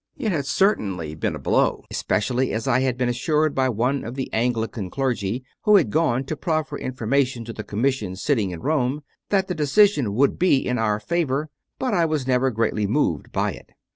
It had certainly been a blow, especially as I had been assured by one of the Anglican clergy who had gone to proffer information to the Commission sitting in Rome, that the decision would be in our favour; but I was never greatly moved by it.